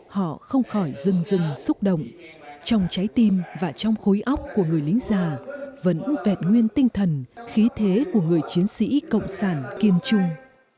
họ không khỏi rừng dưng xúc động trong trái tim và trong khối óc của người lính già vẫn vẹn nguyên tinh thần khí thế của người chiến sĩ cộng sản kiên trung